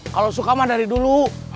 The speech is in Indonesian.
kalau suka mah dari dulu